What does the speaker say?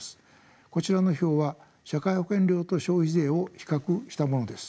こちらの表は社会保険料と消費税を比較したものです。